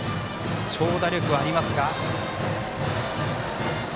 長打力はあります。